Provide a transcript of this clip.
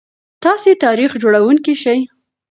تاسي تاریخ جوړونکي شئ.